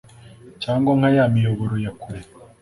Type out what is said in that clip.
cyangwa, nka ya miyoboro ya kure